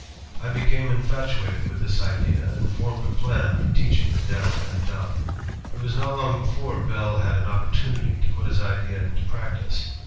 I became infatuated with this idea and formed a plan for teaching the deaf and dumb." It was not long before Bell had an opportunity to put his idea into practice.